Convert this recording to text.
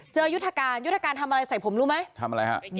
ยุทธการยุทธการทำอะไรใส่ผมรู้ไหมทำอะไรฮะ